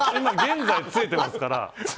今現在ついてますから。